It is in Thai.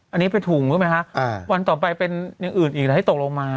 อันนี้เป็นถุงรู้ไหมคะวันต่อไปเป็นอย่างอื่นอีกหลายที่ตกลงมา